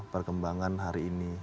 perkembangan hari ini